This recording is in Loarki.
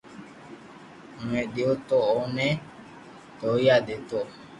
اوني ديتو تو اوني تونا ديتو